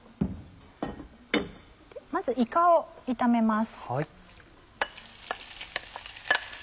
まずいかを炒めます。